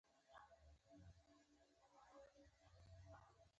بلکې د هغو په وړاندې زموږ په عکس العمل ټاکل کېږي.